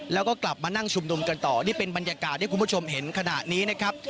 แล้วก็กลับมานั่งชุมนุมกันต่อนี่เป็นบรรยากาศที่คุณผู้ชมเห็นขณะนี้นะครับ